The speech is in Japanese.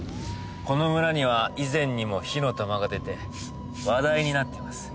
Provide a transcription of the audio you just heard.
この村には以前にも火の玉が出て話題になってます